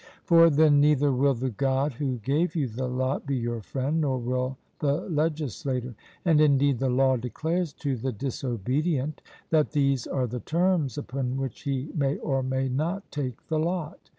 For then neither will the God who gave you the lot be your friend, nor will the legislator; and indeed the law declares to the disobedient that these are the terms upon which he may or may not take the lot.